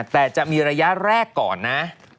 แต่จะมีระยะแรกก่อนนะ